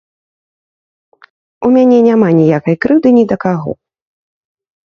У мяне няма ніякай крыўды ні да каго.